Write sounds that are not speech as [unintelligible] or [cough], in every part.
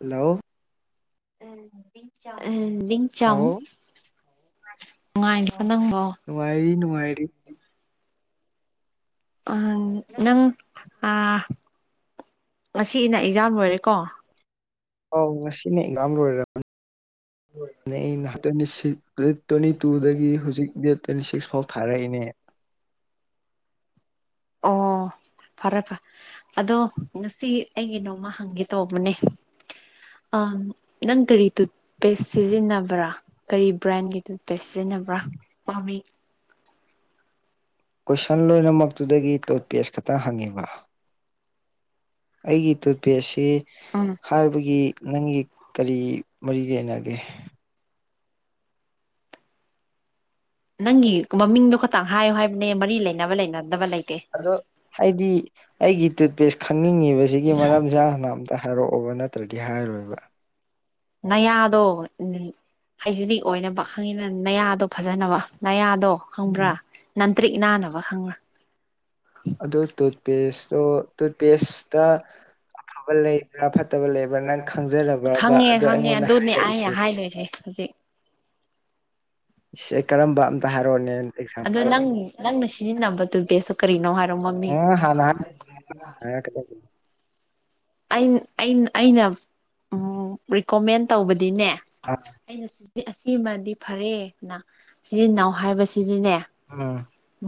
hello ꯍꯂ ꯂꯤꯡ ꯆꯝ ꯅꯨꯡꯉꯥꯏꯔꯤꯕ ꯅꯪꯕꯣ ꯅꯨꯡꯉꯥꯏꯔꯤ ꯅꯨꯡꯉꯥꯏꯔꯤ ꯑ ꯅꯪ ꯑ ꯉꯁꯤ ꯑꯅ ꯑꯦꯛꯖꯥꯝ ꯂꯣꯏꯔꯦꯀꯣ ꯍꯥꯎꯁꯤꯅꯤ ꯉꯔ ꯑꯣꯏꯔ ꯍ ꯑꯩꯅ ꯇ꯭ꯋꯦꯟꯇꯤ ꯇ꯭ꯋꯦꯟꯇꯤ ꯇꯨꯗꯒꯤ ꯍꯧꯖꯤꯛ ꯗꯦꯠ ꯇ꯭ꯋꯦꯟꯇꯤ ꯁꯤꯛꯁ ꯐꯥꯎ ꯊꯥꯔꯛꯏꯅꯦ ꯑꯣ ꯐꯔꯦꯄ ꯑꯗꯣ ꯉꯁꯤ ꯑꯩꯒꯤ ꯅꯣꯡꯃ ꯍꯪꯒꯦ ꯇꯧꯕꯅꯦ ꯑ ꯅꯪ ꯀꯔꯤ ꯇꯨꯠꯄꯦꯁ ꯁꯤꯖꯤꯟꯅꯕ꯭ꯔꯥ ꯀꯔꯤ ꯕ꯭ꯔꯥꯟꯒꯤ ꯇꯨꯠꯄꯦꯁ ꯁꯤꯖꯤꯟꯅꯕ꯭ꯔꯥ ꯄꯝꯃꯦ ꯀꯣꯏꯁꯟ ꯂꯣꯏꯅꯃꯛꯇꯨꯗꯒꯤ ꯇꯣꯠ ꯄꯦꯖ ꯈꯛꯇꯪ ꯍꯪꯉꯤꯕ ꯑꯩꯒꯤ ꯇꯨꯠꯄꯦꯁꯁꯤ ꯎꯝ ꯍꯥꯏꯕꯒꯤ ꯅꯪꯒꯤ ꯀꯔꯤ ꯃꯔꯤ ꯌꯦ ꯅꯒꯦ ꯅꯪꯒꯤ ꯃꯃꯤꯡꯗꯣ ꯈꯇꯪ ꯍꯥꯏꯌꯨ ꯍꯥꯏꯕꯅꯦ ꯃꯔꯤ ꯂꯩꯅꯕ ꯂꯩꯅꯗꯕ ꯂꯩꯇꯦ ꯑꯗꯣ ꯍꯥꯏꯗꯤ ꯑꯩꯒꯤ ꯇꯨꯠꯄꯦꯁ ꯈꯪꯅꯤꯡꯉꯤꯕꯁꯤꯒꯤ ꯃꯔꯝꯁꯦ ꯍꯥꯟꯅ ꯑꯝꯇ ꯍꯥꯏꯔꯛꯑꯣꯕ ꯅꯠꯇ꯭ꯔꯣ ꯠꯇ꯭ꯔꯗꯤ ꯍꯥꯏꯔꯣꯏꯕ ꯅ ꯌꯥꯗꯣ ꯍꯥꯏꯖꯤꯅꯤꯛ ꯑꯣꯏꯅꯕ ꯈꯪꯉꯤꯅ ꯅꯌꯥꯗꯣ ꯐꯖꯅꯕ ꯅꯌꯥꯗꯣ ꯈꯪꯕ꯭ꯔꯥ ꯅꯟꯇ꯭ꯔꯤꯛ ꯏꯅꯥꯅꯕ ꯈꯪꯕꯥ ꯑꯗꯨꯣ ꯇꯨꯠꯄꯦꯁꯇꯣ ꯇꯨꯠꯄꯦꯁꯇ ꯑꯐꯕ ꯂꯩꯕ꯭ꯔꯥ ꯐꯠꯇꯕ ꯂꯩꯕ꯭ꯔꯥ ꯅꯪ ꯈꯪꯖꯔꯕꯕ ꯈꯪꯉꯦ ꯑꯗꯣ ꯑꯩꯉꯣꯟꯗ ꯍꯥꯏꯔꯛꯏꯁꯤ ꯖꯦ ꯏꯁꯦ ꯀꯔꯝꯕ ꯑꯝꯇ ꯍꯥꯏꯔꯛꯑꯣꯅꯦ ꯑꯗꯣ ꯑꯦꯛꯖꯥꯝꯄꯜ ꯅꯪ ꯅꯪꯅ ꯁꯤꯖꯤꯟꯅꯕꯗꯨ ꯦꯁꯨ ꯀꯔꯤꯅꯣ ꯍꯥꯏꯔꯝ ꯃꯃꯤ ꯎꯝ ꯍꯥꯟꯅ ꯑ ꯑ ꯑꯩꯅ ꯎꯝ ꯔꯤꯀꯣꯃꯦꯟ ꯇꯧꯕꯗꯤꯅꯦ ꯑꯩꯅ ꯑꯁꯤꯃꯗꯤ ꯐꯔꯦꯅ ꯁꯤꯆꯤꯟꯜ ꯏꯅꯥꯎ ꯍꯥꯏꯕꯁꯤꯗꯤꯅꯦ ꯑꯥ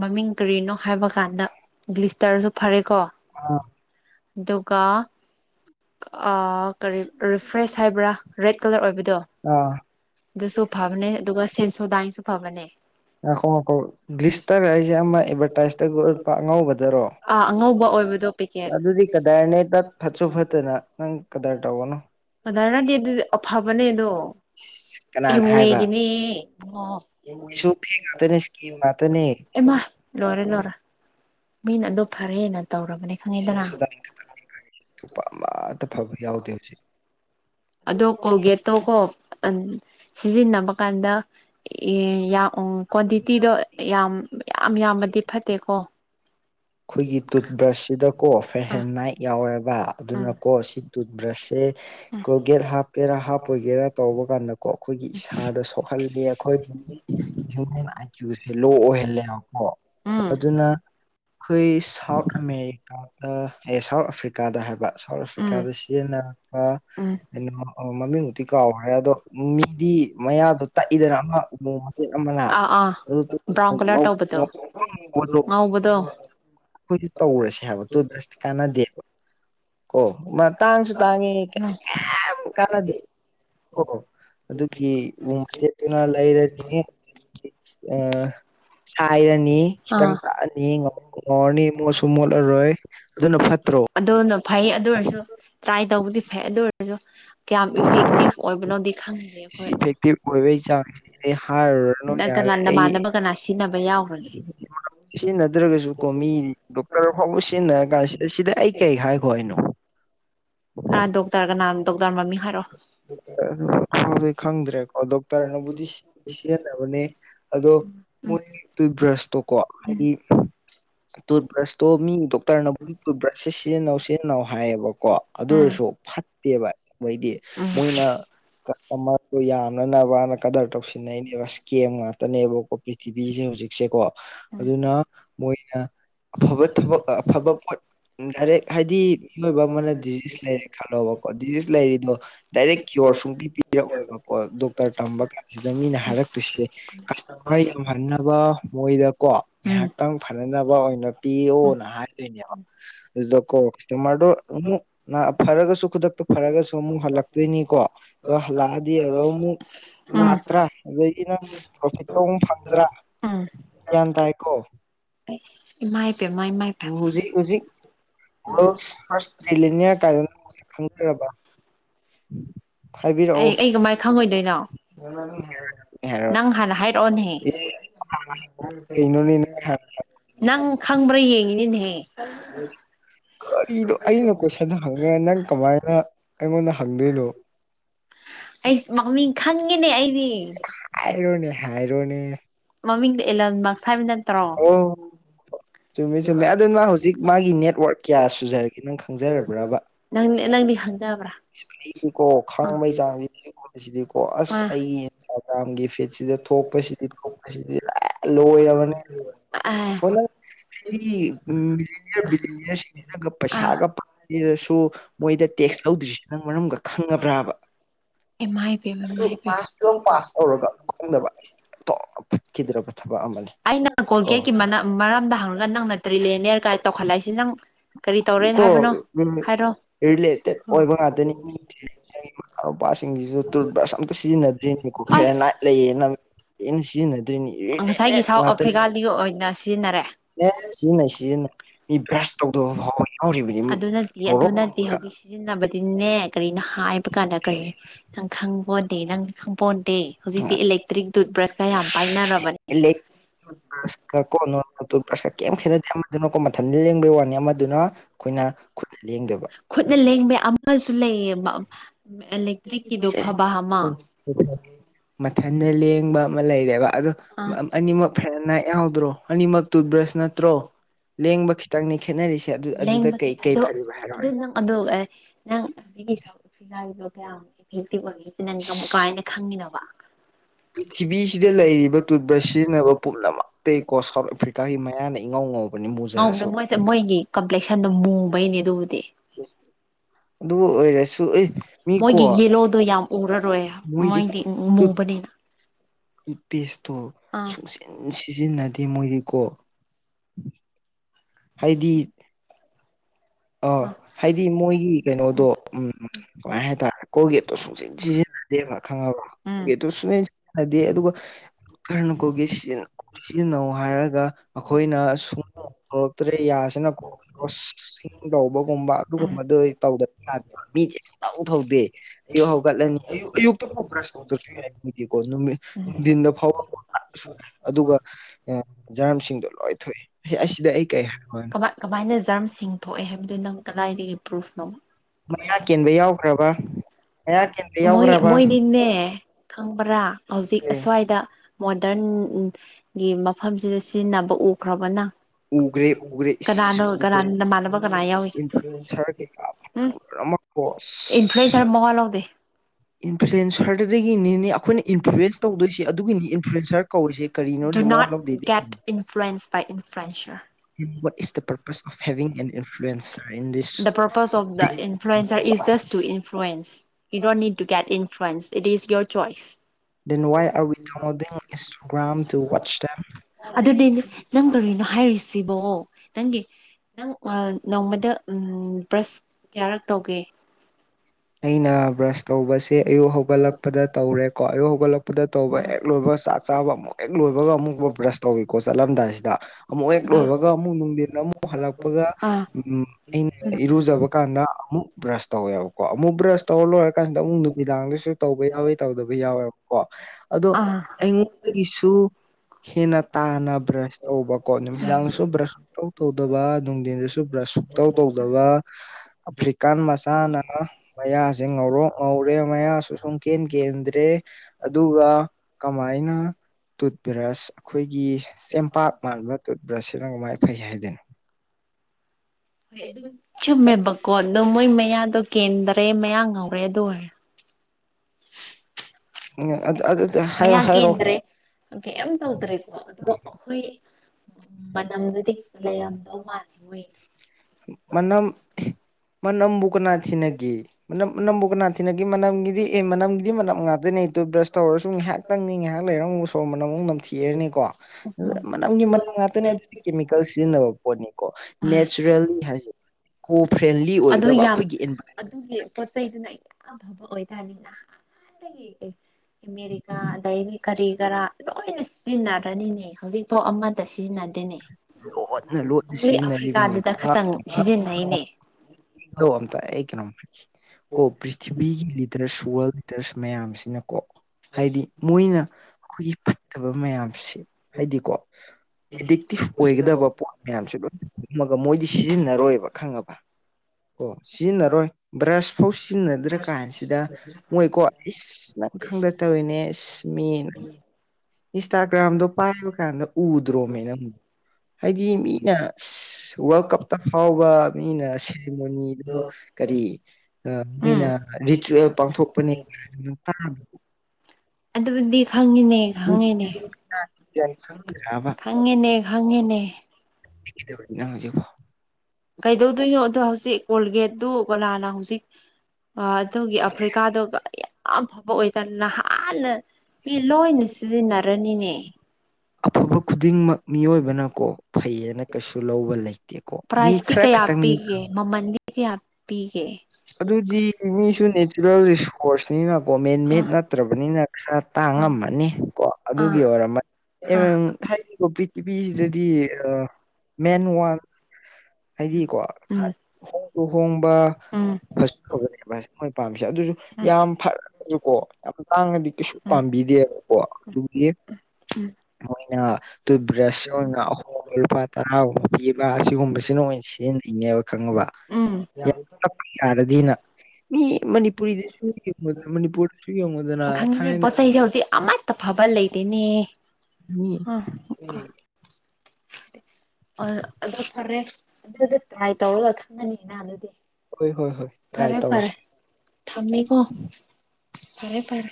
ꯃꯃꯤꯡ ꯀꯔꯤꯅꯣ ꯍꯥꯏꯕ ꯀꯥꯟꯗ ꯒꯂꯤꯁꯇꯔꯁꯨ ꯐꯔꯦꯀꯣ ꯑꯗꯨꯒ ꯀꯔꯤ ꯔꯤꯐ꯭ꯔꯦꯁ ꯍꯥꯏꯕ꯭ꯔꯥ ꯔꯦꯗ ꯀꯂꯔ ꯑꯣꯏꯕꯗꯣ ꯑꯥ ꯑꯗꯨꯁꯨ ꯐꯕꯅꯦ ꯑꯗꯨꯒ ꯁꯦꯟ ꯁ ꯗꯥꯡꯁꯨ ꯐꯕꯅꯦ ꯉꯈꯣꯡ ꯉꯥꯛꯈꯣꯡ ꯂꯤꯁꯇꯔ ꯍꯥꯏꯁꯦ ꯑꯃ ꯑꯦꯗꯚꯔꯇꯥꯏꯁꯇꯒ ꯎꯠꯄ ꯑꯉꯧꯕꯗꯔꯣ ꯑꯥ ꯑꯉꯧꯕ ꯑꯣꯏꯕꯗꯣ ꯄꯦꯛꯀꯦꯠ ꯑꯗꯨꯗꯤ ꯀꯗꯔꯅꯦ ꯇꯠ ꯐꯠꯁꯨ ꯐꯠꯇꯅ ꯅꯪ ꯀꯗꯔ ꯇꯧꯒꯅꯨ ꯑꯗꯨꯗꯔꯅꯗꯤ ꯑꯗꯨꯗꯤ ꯑꯐꯕꯅꯦ ꯑꯗꯨ ꯏꯁ ꯀꯅꯥꯅ ꯏꯕꯨ ꯍꯥꯏꯕ ꯍꯦꯒꯅꯦ ꯑ ꯁꯨ ꯐꯤ ꯉꯥꯛꯇꯅꯦ ꯏꯁꯀꯤꯝ ꯉꯥꯛꯇꯅꯦ ꯑꯃ ꯂꯣꯏꯔ ꯂꯣꯣꯔ ꯃꯤꯅ ꯑꯗꯨꯣ ꯐꯔꯦꯅ ꯇꯧꯔꯕꯅꯦ ꯈꯪꯉꯤꯗꯅ ꯅꯨꯄꯥ ꯑꯃꯇ ꯐꯕ ꯌꯥꯎꯗꯦ ꯍꯧꯖꯤꯛ ꯑꯗꯣ ꯀꯣꯜꯒꯦꯠꯇꯣꯀꯣ ꯁꯤꯖꯤꯟꯅꯕ ꯀꯥꯟꯗ ꯑꯦ ꯌꯥꯝ ꯎ ꯀ꯭ꯋꯥꯟꯇꯤꯇꯤꯗꯣ ꯌꯥꯝ ꯌꯥꯝ ꯌꯥꯝꯕꯗꯤ ꯐꯠꯇꯦꯀꯣ ꯑꯩꯈꯣꯏꯒꯤ ꯇꯨꯠ ꯕ꯭ꯔꯁꯁꯤꯗꯀꯣ ꯐꯦ ꯑꯥ ꯍꯦꯟ ꯏ ꯌꯥꯎꯋꯦꯕ ꯎꯝ ꯑꯗꯨꯅꯀꯣ ꯁꯤ ꯇꯨꯠ ꯕ꯭ꯔꯁꯁꯦ ꯀ ꯒꯦꯠ ꯍꯥꯞꯀꯦꯔꯥ ꯍꯥꯞꯄꯣꯏꯒꯦꯔꯥ ꯇꯧꯕ ꯀꯥꯟꯗꯀꯣ ꯑꯩꯈꯣꯏꯒꯤ ꯏꯁꯥꯗ ꯁꯣꯛꯍꯒꯦ ꯑꯩꯈꯣꯏ [inaudible] [unintelligible] ꯍ꯭ꯨꯃꯦꯟ ꯑꯥꯏꯀ꯭ꯌꯨꯁꯦ ꯂꯣ ꯑꯣꯏꯍꯜꯂꯦꯕꯀꯣ ꯎꯝ ꯑꯗꯨꯅ ꯑꯩꯈꯣꯏ ꯁꯥꯎꯠ ꯑꯃꯦꯔꯤꯀꯥꯗ ꯑꯦ ꯁꯥꯎꯠ ꯑꯐ꯭ꯔꯤꯀꯥꯗ ꯍꯥꯏꯕ ꯁꯥꯎꯠ ꯎꯝ ꯑꯐ꯭ꯔꯤꯀꯥꯗ ꯁꯤꯖꯤꯟꯅꯔꯛꯄ ꯎꯝ ꯀꯩꯅꯣ ꯃꯃꯤꯡꯃꯨꯛꯇꯤ ꯀꯥꯎꯈ꯭ꯔꯦ ꯑꯗꯣ ꯃꯤꯗꯤ ꯃꯌꯥꯗꯣ ꯇꯥꯛꯏꯗꯅ ꯑꯃ ꯎꯃꯪ ꯃꯇꯆꯦꯦꯛ ꯑꯃꯅ ꯑꯥ ꯑꯗꯨ ꯑꯕꯗꯣ ꯑꯩꯈꯣꯏꯗꯤ ꯇꯧꯔꯁꯦ ꯍꯥꯏꯕ ꯇꯨꯁꯇ ꯀꯥꯟꯅꯗꯦꯕ ꯀꯣ ꯇꯥꯡꯁꯨ ꯇꯥꯡꯉꯤ ꯀꯥꯟꯅꯗꯦ ꯀꯣ ꯑꯗꯨꯒꯤ ꯆꯦꯠꯇꯨꯅ ꯂꯩꯔꯅꯤ ꯁꯥꯏꯔꯅꯤ ꯈꯤꯇꯪ ꯊꯥꯛꯑꯅꯤ ꯉꯧꯔꯅꯤ ꯃꯣꯠꯁꯨ ꯃꯣꯠꯂꯔꯣꯏ ꯑꯗꯨꯅ ꯐ ꯑꯗꯨꯅ ꯐꯩ ꯑꯗꯨ ꯑꯣꯏꯔꯁꯨ ꯇ꯭ꯔꯥꯏ ꯇꯧꯕꯗꯤ ꯐꯩ ꯑꯗꯨ ꯑꯣꯏꯔꯁꯨ ꯀꯌꯥꯝ ꯏꯐꯦꯛꯇꯤꯚ ꯑꯣꯏꯕꯅꯣꯗꯤ ꯈꯪꯗꯦ ꯑꯩꯈꯣꯏ ꯑꯗꯨ ꯏꯐꯦꯛꯇꯤꯞ ꯑꯣꯏꯕꯒꯤ ꯆꯥꯡꯁꯤꯗꯤ ꯍꯥꯏꯔꯨꯔꯅꯨ ꯅꯪ ꯀꯅꯥ ꯌꯥꯔꯦ ꯑꯩ ꯅꯃꯥꯟꯅꯕ ꯀꯅꯥ ꯁꯤꯖꯤꯟꯅꯕ ꯌꯥꯎ ꯁꯤꯖꯤꯟꯅꯗ꯭ꯔꯒꯁꯨ ꯀꯣ ꯃꯤ ꯗꯣꯛꯇꯔ ꯐꯥꯎꯕ ꯁꯤꯖꯤꯟꯅꯔ ꯀꯥꯟꯁꯤꯗ ꯁꯤꯗ ꯑꯩ ꯀꯩ ꯍꯥꯏꯥꯏ ꯀꯣꯣꯏꯅ ꯗꯧꯗꯥꯔ ꯃꯃꯤꯡ ꯍꯥꯏꯔꯣꯑꯣ ꯗꯤ ꯈꯪꯗ꯭ꯔꯦꯀꯣ ꯗꯣꯛꯇꯔꯅꯕꯨꯗꯤ ꯁꯤꯖꯤꯟꯅꯕꯅꯤ ꯑꯗꯣ ꯎꯣꯏ ꯇꯨꯠ ꯕ꯭ꯔꯁꯇꯣꯀꯣ ꯍꯥꯏꯗꯤ ꯇꯨꯠ ꯕ꯭ꯔꯁꯇꯣ ꯃꯤ ꯗꯣꯛꯇꯔꯅꯕꯨ ꯇꯨꯠ ꯕ꯭ꯔꯁꯁꯦ ꯁꯤꯖꯤꯟꯅꯧ ꯁꯤꯖꯤꯟꯅꯧ ꯍꯥꯏꯌꯦꯕꯀꯣ ꯑꯗꯨꯔꯁꯨ ꯐꯠꯇꯦꯕ ꯃꯣꯏꯗꯤ ꯃꯣꯏꯅ ꯀꯁꯇꯃꯔꯗꯨꯣ ꯌꯥꯝꯅꯅꯕꯅ ꯀꯗꯔ ꯇꯧꯁꯤꯟꯅꯩꯅꯦꯕ ꯏꯁꯀꯦꯝ ꯉꯥꯛꯇꯅꯦꯕꯀꯣ ꯄ꯭ꯔꯤꯊꯤꯕꯤꯁꯤ ꯍꯧꯖꯤꯛꯁꯦꯀꯣ ꯑꯗꯨꯅ ꯃꯣꯏꯅ ꯑꯐꯕ ꯊꯕꯛ ꯑꯐꯕ ꯄꯣꯠ ꯗꯥꯏꯔꯦꯛ ꯍꯥꯏꯗꯤ ꯃꯤꯑꯣꯏꯕ ꯑꯃꯅ ꯗꯤꯖꯤꯁ ꯂꯩꯔꯦ ꯈꯜꯂꯣꯕꯀꯣ ꯗꯤꯖꯤꯁ ꯂꯩꯔꯤꯗꯣ ꯗꯥꯏꯔꯦꯛ ꯀꯤꯌꯣꯔ ꯁꯨꯡ ꯄꯤ ꯄꯔꯛꯑꯣꯏꯕꯀꯣ ꯗꯣꯛꯇꯔ ꯇꯝꯕ ꯀꯥꯟꯁꯤꯗ ꯃꯤꯅ ꯍꯥꯏꯔꯛꯇꯣꯏꯁꯦ ꯍꯩ ꯌꯥꯝꯍꯟꯅꯕ ꯃꯣꯏꯗꯀꯣ ꯎꯝ ꯎꯝ ꯉꯥꯏꯍꯥꯛꯇꯪ ꯐꯅꯅꯕ ꯑꯣꯏꯅ ꯄꯤꯌꯣꯅ ꯍꯥꯏ ꯑꯗꯨꯗ ꯀꯣ ꯃꯗꯣ ꯑꯃꯨꯛ ꯐꯔꯒꯁꯨ ꯈꯨꯗꯛꯇ ꯐꯔꯒꯁꯨ ꯑꯃꯨꯛ ꯍꯜꯂꯛꯄ ꯇꯣꯏꯅꯤꯀꯣ ꯑꯗꯣ ꯍꯂꯛꯑꯗꯤ ꯑꯗꯨꯃꯨꯛ ꯑꯃꯨꯛ ꯎꯝ ꯂꯥꯛꯇ꯭ꯔꯥ ꯑꯗꯨ ꯁꯤ ꯅꯪ ꯄ꯭ꯔꯣꯐꯤꯠꯇ ꯐꯪꯗ꯭ꯔꯥ ꯎꯝ ꯒ꯭ꯌꯥꯟ ꯇꯥꯏꯀꯣ ꯃꯥꯏꯄꯦꯝꯃ ꯇꯦ ꯍꯧꯖꯤꯛ ꯍꯧꯖꯤꯛ ꯏꯃꯥꯏꯇꯦ ꯐ ꯇ꯭ꯔꯤꯂꯤꯅꯤꯌꯔ ꯀꯥꯏꯗꯣ ꯈꯪꯖꯔꯕ ꯍꯥꯏꯕꯤꯔꯛꯑꯣ ꯑꯩ ꯑꯩ ꯀꯃꯥꯏ ꯈꯪꯉꯣꯏꯗꯣꯏꯅꯣ ꯍꯥꯏꯔꯣꯅꯦ ꯅꯪ ꯍꯥꯟꯅ ꯍꯥꯏꯔꯛ ꯑꯣꯅꯤ ꯑꯦ ꯀꯩꯅꯣꯅꯦ ꯅꯪ ꯍꯥꯏ ꯅꯪ ꯈꯪꯕ꯭ꯔꯥ ꯌꯦꯡꯉꯤꯅꯦꯅꯦꯍꯦ ꯀꯔꯤꯅꯣ ꯑꯩꯅ ꯀꯣꯏꯁꯟꯗ ꯍꯪꯉ꯭ꯔꯦ ꯅꯪ ꯀꯃꯥꯏꯅ ꯑꯩꯉꯣꯟꯗ ꯍꯪꯗꯣꯏꯅꯣ ꯑꯩ ꯃꯃꯤ ꯈꯟꯈꯤꯅꯦ ꯑꯩꯗꯤ ꯍꯥꯏꯔꯣꯅꯤ ꯍꯥꯏꯥꯏꯔꯅꯤ ꯃꯃꯤꯡꯗ ꯑꯦꯂ ꯃꯥꯛꯁ ꯍꯥꯏꯕ ꯅꯠꯇ꯭ꯔꯣ ꯑꯣ ꯆꯨꯝꯃꯦ ꯆꯨꯝꯃꯦ ꯑꯗꯨꯅ ꯃꯥ ꯍꯧꯖꯤꯛ ꯃꯥꯒꯤ ꯅꯦꯠꯋꯥꯔꯛ ꯀꯌꯥ ꯁꯨꯖꯔꯒꯦ ꯅꯪ ꯈꯪꯖꯔꯕ꯭ꯔꯕ ꯅꯪ ꯗꯕ꯭ꯔꯥ ꯑꯩꯗꯤ ꯀꯣ ꯈꯪꯕꯩ ꯆꯥꯡ ꯁꯤꯗꯤꯀꯣ ꯑꯁ ꯑꯩꯒꯤ ꯏꯟꯁꯇꯥꯒ꯭ꯔꯥꯝꯒꯤ ꯏꯐꯤꯠꯁꯤꯗ ꯊꯣꯛꯄꯁꯤꯗꯤ ꯊꯣꯛꯄꯁꯤꯗꯤ ꯂꯣꯏꯔꯕꯅꯦ ꯑꯥ ꯍ ꯁꯤ ꯑꯥ ꯄꯩꯁꯥꯒ ꯄꯥꯔꯁꯨ ꯃꯣꯏꯗ ꯇꯦꯛꯁ ꯂꯧꯗ꯭ꯔꯤꯁꯤꯦ ꯅꯪ ꯃꯔꯝꯒ ꯈꯪꯉꯕ꯭ꯔꯥꯕ ꯑꯦꯃꯥꯏ ꯄꯦ ꯄꯥꯁ ꯇꯧꯔꯒ ꯈꯪꯗꯕ ꯑꯩ ꯑꯣꯟꯊꯣꯛꯅ ꯐꯠꯈꯤꯗ꯭ꯔꯕ ꯊꯕꯛ ꯑꯃꯅꯤ ꯑꯩꯅ ꯀꯣ ꯀꯣꯜꯒꯦꯠꯀꯤ ꯃꯔꯝꯗ ꯍꯪꯉꯒ ꯅꯪꯅ ꯇ꯭ꯔꯤꯂꯦꯅꯦꯔꯒꯥꯏ ꯇꯧꯈꯠꯂꯛꯏꯁꯤ ꯂꯝ ꯀꯔꯤ ꯇꯧꯔꯦꯅ ꯀꯣ ꯍꯥꯏꯕꯅꯣ ꯎꯝ ꯍꯥꯏꯔꯣ ꯔꯤꯂꯦꯇꯦꯠ ꯅꯨꯄꯥꯁꯤꯡꯁꯤꯁꯨ ꯇꯨꯠ ꯕ꯭ꯔꯁ ꯑꯝꯇ ꯁꯤꯖꯤꯟꯅꯗ꯭ꯔꯤꯅꯤꯀꯣ ꯐꯔꯦꯟ ꯑꯁ ꯅꯥꯏꯠ ꯂꯩꯌꯦꯅ ꯑꯦꯅꯤ ꯁꯤꯟ ꯅꯠꯇ꯭ꯔꯔꯤꯅꯤ ꯉꯁꯥꯏꯒꯤ ꯁꯥꯎꯠ ꯉꯇ ꯑꯐ꯭ꯔꯤꯀꯥꯒꯤ ꯑꯣꯏꯅ ꯁꯤꯖꯤꯟꯅꯔꯦ ꯑꯦ ꯁꯤꯖꯤꯟꯅꯩ ꯁꯤꯖꯤꯟꯅꯩ ꯚ꯭ꯔꯁ ꯇꯧꯗ ꯑꯗꯨ ꯅꯠꯇꯦ ꯑꯗꯨ ꯅꯠꯇꯦ ꯍꯧꯖꯤꯛ ꯁꯤꯖꯤꯟꯅꯕꯗꯤꯅꯦ ꯀꯔꯤꯅꯣ ꯍꯥꯏꯕ ꯀꯥꯟꯗ ꯀꯩ ꯅꯪ ꯈꯪꯕꯗꯤ ꯅꯪ ꯈꯪꯕ ꯍꯧꯖꯤꯛꯇꯤ ꯏꯂꯦꯛꯇ꯭ꯔꯤꯛ ꯇꯨꯠ ꯕ꯭ꯔꯁꯀ ꯌꯥꯝ ꯄꯥꯏꯅꯔꯕꯅꯦ ꯀꯩ ꯈꯦꯠꯅꯗꯦ ꯑꯃꯗꯨꯅꯀꯣ ꯃꯊꯟꯗꯤ ꯂꯦꯡꯕꯒꯤ ꯋꯥꯅꯤ ꯑꯃꯗꯨꯅ ꯑꯩꯈꯣꯏꯅ ꯈꯨꯠꯅ ꯂꯦꯡꯗꯣꯏꯕ ꯈꯨꯠꯅ ꯂꯦꯡꯕ ꯑꯃꯁꯨ ꯂꯩꯌꯦꯕ [inaudible] ꯑꯃ [unintelligible] ꯊꯟꯅ ꯂꯦꯡꯕ ꯑꯃ ꯂꯩꯔꯦꯕ ꯑꯗꯣ ꯑꯥ ꯑꯅꯤꯃꯛ ꯐꯖꯅ ꯌꯥꯎꯗ꯭ꯔꯣ ꯑꯅꯤꯃꯛ ꯇꯨꯠ ꯭ꯔꯁ ꯅꯠꯇ꯭ꯔꯣ ꯂꯦꯡꯕ ꯈꯤꯇꯪꯅꯤ ꯈꯦꯠꯅꯔꯤꯁꯦ ꯑꯗꯨ ꯑꯗꯨꯗ ꯂꯦꯡꯕꯩ ꯀꯩ ꯀꯩ ꯑꯗꯣ ꯐꯔꯤꯕ ꯑꯗꯨ ꯍꯥꯏꯔꯛꯑꯣꯅꯦ ꯅꯪ ꯑꯗꯣ ꯑꯦ ꯅꯪ ꯍꯧꯖꯤꯛ ꯁꯥꯎꯠ ꯑꯐ꯭ꯔꯤꯀꯥꯒꯤꯗꯣ ꯌꯥꯝ ꯏꯐꯦꯛꯇꯤꯞ ꯑꯣꯏꯔꯤꯁꯦ ꯅꯪꯒ ꯑꯃꯨꯛ ꯀꯥꯏꯅ ꯈꯪꯉꯤꯅꯣꯕ ꯄ꯭ꯔꯤꯊꯤꯕꯤꯁꯤꯗ ꯂꯩꯔꯤꯕ ꯇꯨꯠ ꯕ꯭ꯔꯁ ꯁꯤꯖꯤꯟꯅꯕ ꯄꯨꯝꯅꯃꯛꯇꯇꯩ ꯀꯣ ꯁꯥꯎꯠ ꯑꯐ꯭ꯔꯤꯀꯥꯒꯤ ꯃꯌꯥꯅ ꯏꯪꯉꯧ ꯉꯧꯕ ꯉꯧꯕꯗ ꯃꯣꯏꯁꯦ ꯃꯣꯏꯒꯤ ꯀꯝꯄ꯭ꯂꯦꯛꯁꯟꯗꯣ ꯃꯨꯕꯩꯅꯦ ꯑꯗꯨꯕꯨꯗꯤ ꯑꯗꯨꯕꯨ ꯑꯣꯏꯔꯁꯨ ꯑꯦ ꯃꯣꯏꯒꯤ ꯃꯤꯀꯣ ꯌꯦꯂꯣꯗꯣ ꯌꯥꯝ ꯎꯔ ꯃꯣꯏꯗꯤ ꯃꯗꯤ ꯇꯨꯠ ꯃꯨꯕꯅꯦꯅ ꯇꯨꯠꯄꯦꯁꯇꯣ ꯁꯨꯡꯆꯤꯟ ꯁꯤꯖꯤꯟꯅꯗꯦ ꯃꯣꯏꯗꯤ ꯀꯣ ꯍꯥꯏꯗꯤ ꯑ ꯍꯥꯏꯗꯤ ꯃꯣꯏꯒꯤ ꯀꯩꯅꯣꯗꯣ ꯎꯝ ꯁꯨꯃꯥꯏꯅ ꯍꯥꯏꯇꯥꯔꯦ ꯀꯣꯜꯒꯦꯠꯇꯣ ꯁꯨꯡꯁꯣꯏ ꯁꯤꯖꯤꯟꯅꯗꯦꯕ ꯈꯪꯉꯕ ꯎꯝ ꯀꯣꯜꯒꯦꯠꯇꯣ ꯁꯨꯡꯆ ꯁꯤꯖꯤꯟꯅꯗꯦ ꯑꯗꯨꯒ ꯈꯔꯅꯀꯣꯒꯤ ꯁꯤꯖꯤꯟꯅꯧ ꯍꯥꯏꯔꯒ ꯑꯩꯈꯣꯏꯅ ꯁꯨꯝꯔꯛꯇ꯭ꯔꯦ ꯁꯤꯅ ꯇꯧꯕꯒꯨꯝꯕ ꯎꯝ ꯑꯗꯨꯒꯨꯝꯕꯗꯨ ꯇꯧꯗꯕ ꯃꯤꯁꯦ ꯇꯧ ꯊꯧꯗꯦ ꯍꯧꯒꯠꯂꯅꯤ ꯑꯌꯛꯇꯣ ꯅꯨꯃꯤꯗ ꯐꯥꯎꯕ ꯁ ꯑꯗꯨꯒ ꯖꯥꯔꯝꯁꯤꯡꯗꯣ ꯂꯣꯏ ꯊꯣꯛꯏ ꯑꯁꯤꯗ ꯑꯩ ꯀꯩ ꯍꯥꯏꯔꯅꯣ ꯀꯃꯥꯏ ꯀꯃꯥꯏꯅ ꯖꯔꯝ ꯁꯤꯡ ꯊꯣꯛꯑꯦ ꯍꯥꯏꯕꯗꯤ ꯅꯪ ꯀꯗꯥꯏꯗꯒꯤ ꯄ꯭ꯔꯨꯐꯅꯣ ꯃꯌꯥ ꯀꯦꯟꯕ ꯌꯥꯎꯈ꯭ꯔꯕ ꯃꯌꯥ ꯀꯦꯟꯕ ꯃꯣꯏ ꯌꯥꯎꯈ꯭ꯔꯕ ꯃꯣꯏꯅꯤꯝꯅꯦ ꯈꯪꯕ꯭ꯔꯥ ꯍꯧꯖꯤꯛ ꯑꯦ ꯑꯁ꯭ꯋꯥꯏꯗ ꯃꯣꯗꯔꯟ ꯒꯤ ꯃꯐꯝꯁꯤꯗ ꯁꯤꯖꯤꯟꯅꯕ ꯎꯈ꯭ꯔꯕꯅ ꯎꯒ꯭ꯔꯦ ꯎꯒ꯭ꯔꯦ ꯏꯁ ꯀꯅꯥꯅ ꯎꯒ꯭ꯔꯦ ꯀꯅꯥꯅꯗ ꯃꯅꯅꯕ ꯀꯅꯥ ꯌꯥꯎꯝ ꯄꯨꯝꯅꯃꯛꯄꯣ ꯏꯟꯐ꯭ꯂꯨꯌꯦꯟꯁ ꯃꯣꯜ ꯂꯧ ꯏꯟꯐ꯭ꯂꯨꯌꯦꯟꯁꯔꯗꯨꯗꯒꯤꯅꯤꯅꯦ ꯑꯩꯈꯣꯏꯅ ꯏꯟꯐ꯭ꯂꯨꯌꯦꯟꯁ ꯇꯧꯗꯣꯏꯁꯦ ꯑꯗꯨꯒꯤꯅꯤ ꯏꯟꯐ꯭ꯂꯨꯌꯦꯟꯁꯔ ꯀꯧꯔꯤꯁꯦ ꯀꯔꯤꯅꯣ do not get influence by influencer what is the purpose of ꯍꯦꯕꯤꯡ an influencer in this the purpose of the big influence just to influence you need to get influence it is your choice then why are we downloading Instagram to watch the ꯑꯗꯗꯤ ꯅꯪ ꯀꯔꯤꯅꯣ ꯍꯥꯏꯔꯤꯁꯤꯕꯣ ꯅꯪꯒꯤ ꯅꯪ ꯅꯣꯡꯃꯗ ꯎ brush ꯀꯌꯥꯔꯛ ꯇꯧꯒꯦ ꯑꯩꯅ ꯕ꯭ꯔꯁ ꯇꯧꯕꯁꯤ ꯁꯦ ꯑꯌꯨꯛ ꯍꯧꯒꯠꯂꯛꯄꯗ ꯕ꯭ꯔꯁ ꯇꯧꯔꯦꯀꯣ ꯑꯌꯨꯛ ꯍꯧꯒꯠꯂꯛꯄꯗ ꯇꯧꯕ ꯍꯦꯛ ꯂꯣꯏꯕꯒ ꯆꯥꯛ ꯆꯥꯕ ꯑꯃꯨꯛ ꯍꯦꯛ ꯂꯣꯏꯕꯒ ꯀꯌꯥꯔꯛ ꯑꯃꯨꯛ ꯑꯃꯨꯛ ꯕ꯭ꯔꯁ ꯇꯧꯋꯤꯀꯣ ꯇꯧꯒꯦ ꯎꯝ ꯆꯠꯂꯝꯗꯥꯏꯁꯤꯗ ꯑꯃꯨꯛ ꯑꯥ ꯍꯦꯛ ꯂꯣꯏꯕꯒ ꯑꯃꯨꯛ ꯅꯨꯡꯊꯤꯟ ꯑꯃꯨꯛ ꯍꯜꯂꯛꯄꯒ ꯑꯥ ꯎ ꯑꯩꯅ ꯏꯔꯨꯖꯕ ꯀꯥꯟꯗ ꯑꯃꯨꯛ ꯕ꯭ꯔꯁ ꯇꯧꯋꯦꯕꯀꯣ ꯀꯣ ꯑꯃꯨꯛ ꯕ꯭ꯔꯁ ꯇꯧꯔ ꯂꯣꯏꯔꯀꯥꯟꯁꯤꯗ ꯑꯃꯨꯛ ꯅꯨꯃꯤꯗꯥꯡꯗꯁꯨ ꯇꯧꯕ ꯌꯥꯎꯋꯤ ꯇꯧꯗꯕ ꯌꯥꯎꯋꯦꯕ ꯀꯣ ꯑꯗꯣ ꯍꯣꯏ ꯑꯩꯉꯣꯟꯗꯒꯤꯁꯨ ꯍꯦꯟꯅ ꯇꯥꯅ ꯕ꯭ꯔꯁ ꯇꯧꯕꯀꯣ ꯅꯨꯃꯤꯗꯥꯡꯗꯁꯨ ꯕ꯭ꯔꯁ ꯇꯧ ꯇꯧꯗꯕ ꯅꯨꯡꯊꯤꯟꯗꯁꯨ ꯕ꯭ꯔꯁ ꯁꯨꯨꯡꯇꯧ ꯇꯧꯗꯕ ꯑꯐ꯭ꯔꯤꯀꯥꯟ ꯃꯆꯥꯅ ꯃꯌꯥꯁꯦ ꯉꯧꯔꯣꯛ ꯉꯧꯔꯦ ꯃꯌꯥꯁꯨ ꯁꯨꯝ ꯀꯦꯟ ꯀꯦꯟꯗ꯭ꯔꯦ ꯑꯗꯨ ꯀꯃꯥꯏꯅ ꯇꯨꯠꯕ꯭ꯔꯁ ꯑꯩꯈꯣꯏꯒꯤ ꯆꯦꯡꯄꯥꯛ ꯃꯥꯟꯕ ꯇꯨꯠꯕ꯭ꯔ ꯁꯤ ꯅ ꯃꯥꯏ ꯐꯩ ꯍꯥꯏ ꯍꯣꯏ ꯑꯗꯨꯝ ꯆꯨꯝꯃꯦꯕꯀꯣ ꯑꯗꯣ ꯃꯣꯏ ꯃꯌꯥꯗ ꯇꯣ ꯀꯦꯟꯗꯔꯦ ꯃꯌꯥ ꯉꯧꯔꯦ ꯑꯗꯨ ꯑꯣꯏꯔꯦ [unintelligible] ꯎ ꯑꯗꯨ ꯍꯥꯏꯔ ꯍꯥꯏꯔꯛꯑꯣ ꯀꯩꯌꯥꯝꯝ ꯇꯧꯗ꯭ꯔꯦꯀꯣ ꯑꯗꯣ ꯑꯩꯈꯣꯏ ꯎ ꯃꯝꯗꯨꯗꯤ ꯂꯩꯔꯝꯗꯧ ꯃꯥꯜꯂꯦ ꯃꯣꯏꯅ ꯃꯅꯝ ꯃꯅꯝꯕꯨ ꯀꯅꯥ ꯊꯤꯅꯒꯤ ꯃꯅꯝ ꯃꯅꯝꯕꯨ ꯀꯅꯥ ꯊꯤꯅꯒꯤ ꯃꯅꯝꯒꯤꯗꯤ ꯑꯦ ꯃꯅꯝ ꯗꯤ ꯃꯅꯝ ꯉꯥꯛꯇꯅꯦ ꯑꯗꯨ ꯕ꯭ꯔꯁ ꯇꯧꯔꯁꯨ ꯉꯥꯏꯍꯥꯛꯇꯪꯅꯤ ꯉꯥꯏꯍꯥꯛ ꯂꯩꯔꯝꯃꯨ ꯁꯣꯔ ꯃꯅꯝ ꯑꯃꯨꯛ ꯅꯝꯊꯤꯔꯅꯤꯀꯣ ꯃꯅꯝꯒꯤ ꯃꯅꯝ ꯉꯥꯛꯇꯅꯦ ꯑꯗꯨꯗꯤ ꯀꯦꯃꯤꯀꯦꯜ ꯁꯤꯖꯤꯟꯅꯕ ꯄꯣꯠꯅꯤꯀꯣ ꯅꯦꯆꯔꯦꯜꯂꯤ ꯍꯥꯏꯁꯦ ꯀꯣ ꯐ꯭ꯔꯦꯟꯂꯤ ꯑꯗꯨ ꯑꯣꯏꯒꯗꯕ ꯌꯥꯝ ꯑꯩꯈꯣꯏꯒꯤ ꯑꯦꯟꯚꯥꯏꯔꯣꯟ ꯑꯗꯨꯒꯤ ꯄꯣꯠ ꯆꯩꯗꯨꯅ ꯌꯥꯝ ꯐꯕ ꯑꯣꯏꯇꯥꯔꯅꯤꯅ ꯗꯒꯤ ꯑꯦꯔꯤꯀꯥ ꯗꯩꯕꯤ ꯀꯔꯤ ꯈꯔꯥ ꯂꯣꯏꯅ ꯁꯤꯖꯤꯟꯅꯔꯅꯤꯅꯦ ꯍꯧꯖꯤꯛꯐꯥꯎ ꯑꯃꯗ ꯁꯤꯖꯤꯟꯅꯗꯦꯅꯦ ꯂꯣꯟꯅ ꯂꯣꯟꯅ ꯑꯣꯡꯂꯤ ꯑꯐ꯭ꯔꯤꯀꯥꯗꯨꯗ ꯁꯤꯖꯤꯟꯅꯔꯤꯕꯅꯤꯀꯣ ꯈꯇꯪ ꯁꯤꯖꯤꯟꯅꯩꯅꯦ ꯑ ꯑꯩ ꯀꯩꯅꯣꯝ ꯀꯣ ꯄ꯭ꯔꯤꯊꯤꯕꯤꯒꯤ ꯂꯤꯗꯔꯁ ꯋꯥꯔꯜ ꯂꯤꯗꯔꯁ ꯃꯌꯥꯝꯁꯤꯅ ꯀꯣ ꯍꯥꯏꯗꯤ ꯃꯣꯏꯅ ꯑꯩꯈꯣꯏꯒꯤ ꯐꯠꯇꯕ ꯃꯌꯥꯝꯁꯦ ꯍꯥꯏꯗꯤꯀꯣ ꯑꯦꯗꯤꯛꯇꯤꯞ ꯑꯣꯏꯒꯗꯕ ꯄꯣꯠ ꯃꯌꯥꯝꯁꯤ ꯑꯃꯒ ꯃꯣꯏꯗꯤ ꯁꯤꯖꯤꯟꯅꯔꯣꯏꯕ ꯈꯪꯉꯕ ꯀꯣ ꯁꯤꯖꯤꯟꯅꯔꯣꯏ ꯕ꯭ꯔꯁ ꯐꯧꯁꯤꯟꯅꯗ꯭ꯔ ꯀꯥꯟꯁꯤꯗ ꯃꯣꯏꯀꯣ ꯏꯁ ꯅꯪ ꯈꯪꯗ ꯇꯧꯔꯤꯅꯦ ꯏꯁ ꯃꯤ ꯅꯪ [unintelligible] ꯏꯟꯁꯇꯥꯒ꯭ꯔꯥꯝꯗꯣ ꯄꯥꯏꯕ ꯀꯥꯟꯗ ꯎꯗ꯭ꯔꯣꯅꯤꯅ ꯍꯥꯏꯗꯤ ꯃꯤꯅ ꯋꯥꯔꯜ ꯀꯞꯇ ꯐꯥꯎꯕ ꯃꯤꯅ ꯃꯣꯣ ꯀꯔꯤ ꯎꯝ ꯃꯣꯏꯅ ꯔꯤꯆꯨꯋꯦꯜ ꯄꯥꯡꯊꯣꯛꯄꯅꯦꯕ [unintelligible] ꯑꯗꯨꯕꯨꯗꯤ ꯈꯪꯉꯤꯅꯦ ꯈꯪꯉꯤꯅꯦ ꯏꯀꯥꯏ ꯈꯪꯉꯛꯑꯕ ꯈꯪꯉꯦꯅꯦ ꯈꯪꯉꯦꯅꯦ ꯍꯧꯖꯤꯕꯣ ꯀꯩꯗꯧꯗꯣꯏꯅꯣ ꯑꯗꯣ ꯍꯧꯖꯤꯛ ꯀꯣꯜꯒꯦꯠꯇꯨ ꯀꯂꯥꯅ ꯍꯧꯖꯤꯛ ꯑꯗꯨꯒꯤ ꯑꯐ꯭ꯔꯤꯀꯥꯗꯨꯒ ꯌꯥꯝ ꯐꯕ ꯑꯣꯏꯗ ꯅꯍꯥ ꯍꯥꯟꯅ ꯄ ꯂꯣꯏꯅ ꯁꯤꯖꯤꯟꯅꯔꯅꯤꯅꯦ ꯑꯐꯕ ꯈꯨꯗꯤꯡꯃꯛ ꯃꯤꯑꯣꯏꯕꯅꯀꯣ ꯐꯩꯌꯦꯅ ꯀꯩꯁꯨ ꯂꯧꯕ ꯂꯩ ꯄ꯭ꯔꯥꯏꯁꯗꯤ ꯀꯌꯥꯤꯒꯦ ꯃꯃꯟꯗꯤ ꯀꯌꯥꯤꯒꯦ ꯑꯗꯨꯗꯤ ꯃꯤꯁꯨ ꯅꯦꯆꯔꯦꯜ ꯔꯤꯁꯣꯔꯁꯅꯤꯅ ꯀꯣꯃꯦꯟ ꯑꯥ ꯃꯠ ꯅꯠꯇ꯭ꯔꯕꯅꯤꯅ ꯈꯔ ꯑꯥ ꯇꯥꯡꯉꯝꯃꯅꯤ ꯀꯣ ꯑꯗꯨꯒꯤ ꯑꯣꯏꯔꯝꯃꯅꯤ ꯑꯥ ꯑꯦꯕꯦꯝ ꯍꯥꯏꯗꯤꯀꯣ ꯄ꯭ꯔꯤꯊꯤꯕꯤꯁꯤꯗꯗꯤ ꯃꯦꯟ ꯋꯥꯟ [unintelligible] ꯍꯥꯏꯗꯤꯀꯣ ꯍꯣꯡꯁꯨ ꯍꯣꯡꯕ ꯎꯝ ꯐꯒꯅꯦ ꯍꯣꯏ ꯄꯥꯝꯃꯤꯁꯦ ꯑꯗꯨꯁꯨ ꯎꯝ ꯌꯥꯝ ꯐꯁꯨꯀꯣ ꯌꯥꯝ ꯇꯥꯡꯉꯗꯤ ꯀꯩꯁꯨ ꯎꯝ ꯄꯥꯝꯕꯤꯗꯦꯕꯀꯣ ꯌꯦ ꯃꯅ ꯇꯨ ꯕ꯭ꯔꯁ ꯑꯣꯏꯅ ꯑꯍꯣꯡꯕ ꯂꯨꯄꯥ ꯇꯔꯥꯍ ꯄꯤꯕ ꯑꯁꯤꯒꯨꯝꯕꯁꯤꯅ ꯁꯤꯖꯤꯟꯅ ꯏꯅꯦꯕ ꯈꯪꯉꯕ ꯌꯥꯝ ꯌꯥꯕ ꯇꯞꯄ ꯌꯥꯔꯗꯤꯅ ꯃꯤ ꯃꯅꯤꯄꯨꯔꯤꯗꯁꯨ ꯌꯦꯡꯉꯨꯗꯅ ꯃꯅꯤꯄꯨꯔꯗꯁꯨ ꯌꯦꯡꯉꯨꯗꯅ ꯅꯦ ꯊꯥꯏꯅ ꯄꯣꯠ ꯆꯩꯁꯦ ꯍꯧꯖꯤꯛ ꯑꯃꯠꯇ ꯐꯕ ꯂꯩꯇꯦꯅꯦ ꯃꯤ ꯑ ꯑ ꯑꯗꯨ ꯐꯔꯦ ꯑꯗꯨꯗ ꯇ꯭ꯔꯥꯏ ꯇꯧꯔꯒ ꯈꯪꯉꯅꯤ ꯅ ꯑꯗꯨꯗꯤ ꯍꯣꯏ ꯍꯣꯏ ꯍꯣꯏ ꯇ꯭ꯔꯥꯏ ꯐꯔꯦ ꯇꯧꯋ ꯐꯔꯦ ꯊꯝꯃꯦꯀꯣ ꯐꯔꯦ ꯐꯔꯦ